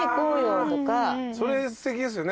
それすてきですよね。